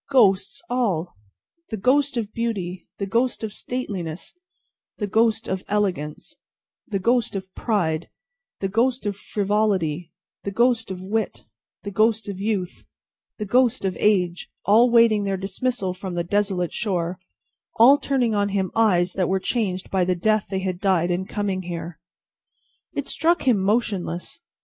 Ghosts all! The ghost of beauty, the ghost of stateliness, the ghost of elegance, the ghost of pride, the ghost of frivolity, the ghost of wit, the ghost of youth, the ghost of age, all waiting their dismissal from the desolate shore, all turning on him eyes that were changed by the death they had died in coming there. It struck him motionless.